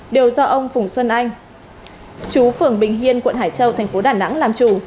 đều do ông phùng xuân anh chú phường bình hiên quận hải châu thành phố đà nẵng làm chủ